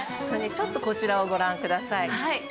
ちょっとこちらをご覧ください。